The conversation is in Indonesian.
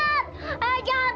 kamu pergi torkie